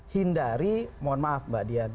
hindari mohon maaf mbak dian